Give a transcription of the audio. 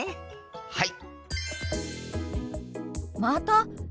はい！